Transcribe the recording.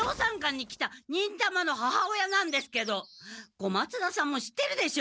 小松田さんも知ってるでしょ？